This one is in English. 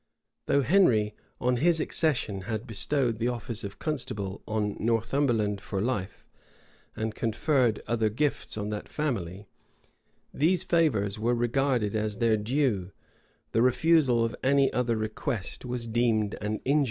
Though Henry, on his accession, had bestowed the office of constable on Northumberland for life,[*] and conferred other gifts on that family, these favors were regarded as their due; the refusal of any other request was deemed an injury.